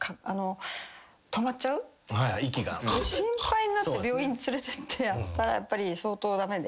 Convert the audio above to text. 心配になって病院連れてってやったらやっぱり相当駄目で。